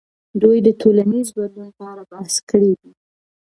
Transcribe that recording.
دوی د ټولنیز بدلون په اړه بحث کړی دی.